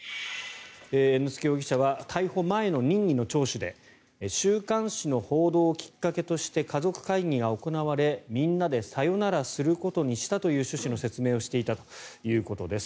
猿之助容疑者は逮捕前の任意の聴取で週刊誌の報道をきっかけとして家族会議が行われみんなでさよならすることにしたという趣旨の説明をしていたということです。